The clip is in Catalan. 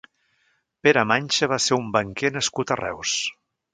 Pere Mancha va ser un banquer nascut a Reus.